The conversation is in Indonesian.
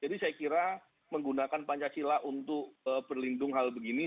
jadi saya kira menggunakan pancasila untuk berlindung hal begini